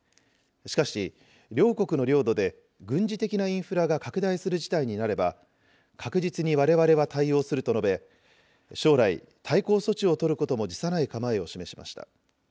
しかし、両国の領土で軍事的なインフラが拡大する事態になれば、確実にわれわれは対応すると述べ、将来、対抗措置を取ることも辞さない構えを示しました。